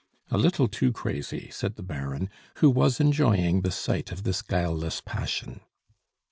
"A little too crazy!" said the Baron, who was enjoying the sight of this guileless passion.